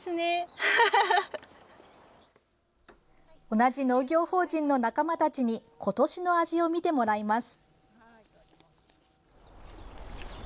同じ農業法人の仲間たちに今年の味をみてもらいます。